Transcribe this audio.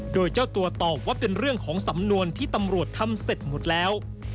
โดยเจ้าตัวตอบว่าเป็นเรื่องของสำนวนที่ตำรวจทำเสร็จหมดแล้ว